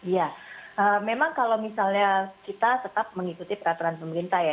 ya memang kalau misalnya kita tetap mengikuti peraturan pemerintah ya